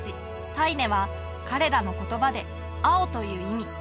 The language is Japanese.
パイネは彼らの言葉で青という意味